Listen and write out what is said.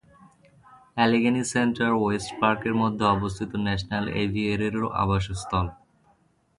Allegheny Center West পার্কের মধ্যে অবস্থিত ন্যাশনাল এভিয়েরিরও আবাসস্থল।